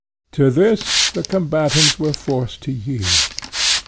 To this the combatants were forced to yield.